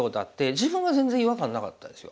自分は全然違和感なかったですよ。